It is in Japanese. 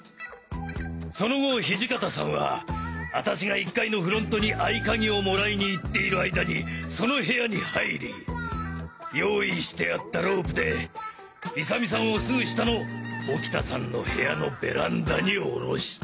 その後土方さんは私が１階のフロントに合鍵をもらいに行っているあいだにその部屋に入り用意してあったロープで勇美さんをすぐ下の沖田さんの部屋のベランダにおろした。